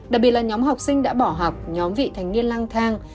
đặc biệt là nhóm học sinh đã bỏ học nhóm vị thành niên lang thang